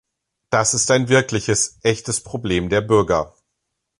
Das ist ein wirkliches, echtes Problem der Bürger.